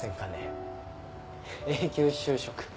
永久就職。